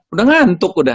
udah ngantuk udah